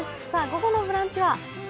午後の「ブランチ」は？